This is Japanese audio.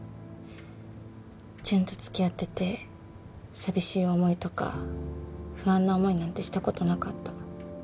ジュンと付き合ってて寂しい思いとか不安な思いなんてしたことなかった。